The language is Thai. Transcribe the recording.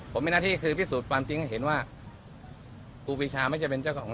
ผมให้หน้าที่คือพิสูจน์ความจริงเห็นว่าคู่ปีชาไม่ใช่เจ้าของ